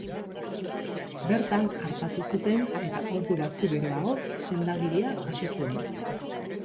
Bertan artatu zuten, eta ordu batzuk geroago sendagiria jaso zuen.